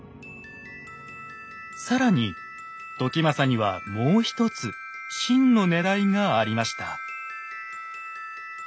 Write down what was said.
更に時政にはもうひとつ真のねらいがありました。